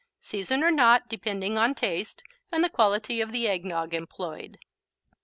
Season or not, depending on taste and the quality of eggnog employed.